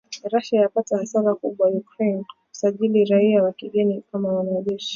Russia yapata hasara kubwa Ukraine, kusajili raia wa kigeni kama wanajeshi